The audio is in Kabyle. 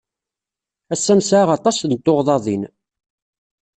Ass-a nesɛa aṭas n tuɣdaḍin.